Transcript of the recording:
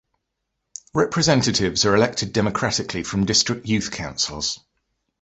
Representatives are elected democratically from district youth councils.